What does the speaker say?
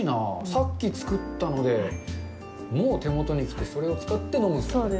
さっき作ったので、もう手元に来てそれを使って飲むと。